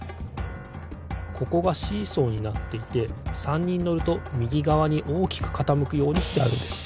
ここがシーソーになっていて３にんのるとみぎがわにおおきくかたむくようにしてあるんです。